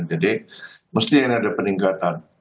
jadi mesti ada peningkatan